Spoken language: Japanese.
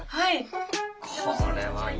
はい。